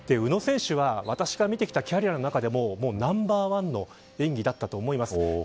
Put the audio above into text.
宇野選手は私が見てきたキャリアの中でもナンバーワンの演技だったと思います。